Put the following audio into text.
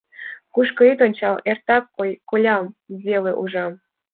Кушко ит ончал — эртак колям веле ужам.